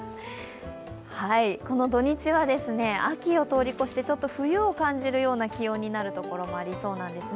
この土日は秋を通り越してちょっと冬を感じるような気温になる所もありそうです。